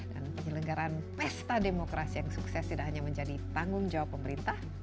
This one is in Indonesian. dan penyelenggaran pesta demokrasi yang sukses tidak hanya menjadi tanggung jawab pemerintah